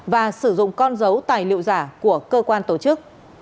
và sử dụng con dấu tài liệu giả của cơ quan tổ chức